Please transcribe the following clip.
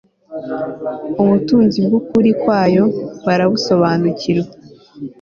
ubutunzi bwukuri kwayo barabusobanukirwa